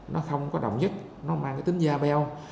nó không có đồng nhất nó mang tính da beo